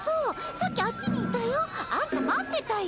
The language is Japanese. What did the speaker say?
さっきあっちにいたよ。あんた待ってたよ。